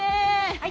はい。